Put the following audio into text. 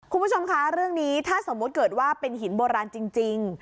คุณผู้ชมคะเรื่องนี้ถ้าสมมุติเกิดว่าเป็นหินโบราณจริง